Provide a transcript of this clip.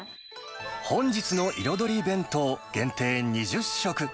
本日の彩り弁当、限定２０食。